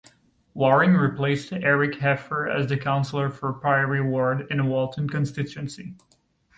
Wareing replaced Eric Heffer as the councillor for the Pirrie ward in Walton constituency.